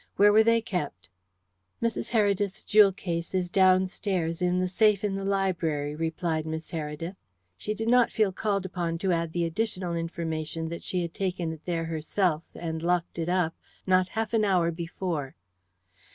Where were they kept?" "Mrs. Heredith's jewel case is downstairs, in the safe in the library," replied Miss Heredith. She did not feel called upon to add the additional information that she had taken it there herself, and locked it up, not half an hour before.